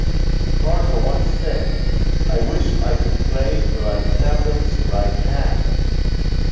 Parker once said, I wish I could play like Tatum's right hand!